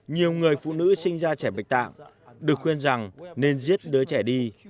nhiều người phụ nữ sinh ra trẻ bạch tạng được khuyên rằng nên giết đứa trẻ đi